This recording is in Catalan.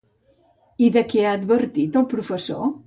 I de què ha advertit el professor?